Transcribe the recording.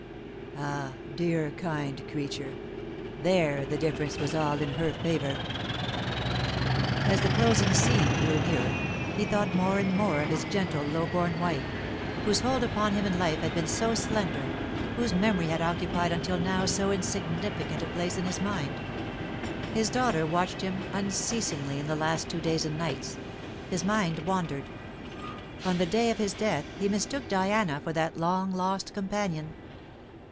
Ah, dear kind creature, there the difference was all in her favour." As the closing scene grew nearer, he thought more and more of his gentle low born wife, whose hold upon him in life had been so slender, whose memory had occupied until now so insignificant a place in his mind. His daughter watched with him unceasingly in the last two days and nights. His mind wandered. On the day of his death he mistook Diana for that long lost companion.